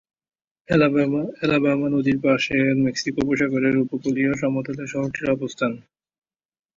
Alabama নদীর পাশে, Mexico উপসাগরের উপকূলীয় সমতলে শহরটির অবস্থান।